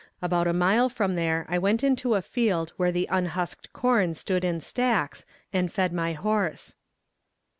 About a mile from there I went into a field where the unhusked corn stood in stacks, and fed my horse.